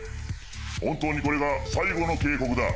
本当にこれが最後の警告だ。